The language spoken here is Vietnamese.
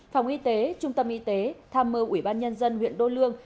phòng y tế trung tâm y tế tham mưu ủy ban nhân dân huyện đô lương